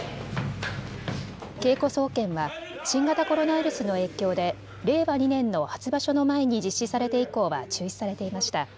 稽古総見は新型コロナウイルスの影響で令和２年の初場所の前に実施されて以降は中止されていました。